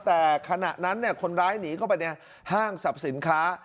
แต่ขณะนั้นคนร้ายหนีเข้าไปในห้างสรรพสินค้า